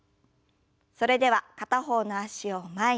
それでは片方の脚を前に。